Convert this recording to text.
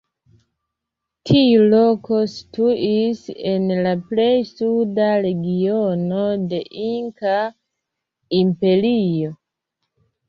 Tiu loko situis en la plej suda regiono de Inkaa imperio.